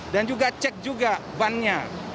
dan juga cek juga bannya